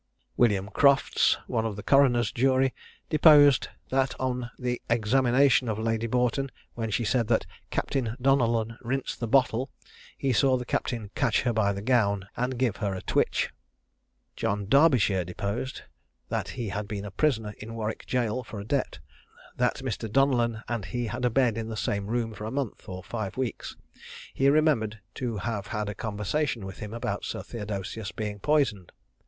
William Crofts, one of the coroner's jury, deposed, that on the examination of Lady Boughton, when she said that "Captain Donellan rinsed the bottle," he saw the captain catch her by the gown, and give her a twitch. John Darbyshire deposed, that he had been a prisoner in Warwick jail for debt; that Mr. Donellan and he had a bed in the same room for a month or five weeks. He remembered to have had a conversation with him about Sir Theodosius being poisoned.